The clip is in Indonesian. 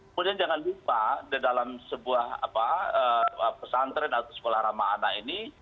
kemudian jangan lupa di dalam sebuah pesantren atau sekolah ramah anak ini